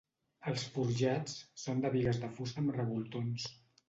Els forjats són de bigues de fusta amb revoltons.